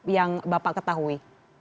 yang bapak ketahui